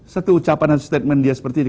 satu ucapan dan statement dia seperti ini